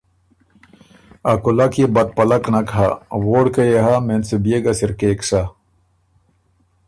ا کولک يې بدپلک نک هۀ، ووړکئ يې هۀ، مېن سُو بيې ګه سِر کېک سۀ۔